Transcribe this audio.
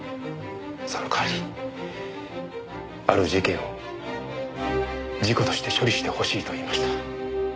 その代わりある事件を事故として処理してほしいと言いました。